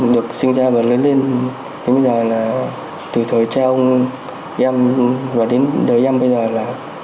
được sinh ra và lớn lên đến bây giờ là từ thời cha ông em và đến đời em bây giờ là